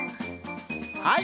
はい。